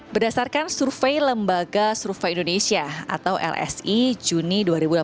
berdasarkan survei lembaga survei indonesia atau lsi juni dua ribu delapan belas